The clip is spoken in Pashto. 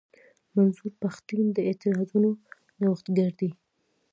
منظور پښتين د اعتراضونو نوښتګر دی.